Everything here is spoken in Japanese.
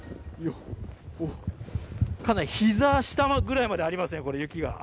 かなり膝下くらいまでありますね、雪が。